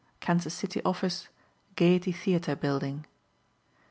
KANSAS CITY OFFICE Gayety Theatre Bldg.